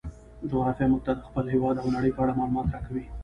جغرافیه موږ ته د خپل هیواد او نړۍ په اړه معلومات راکوي.